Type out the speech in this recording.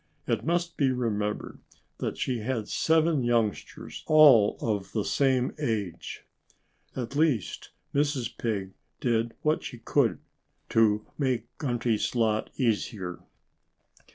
It must be remembered that she had seven youngsters, all of the same age. At least, Mrs. Pig did what she could to make Grunty's lot easier.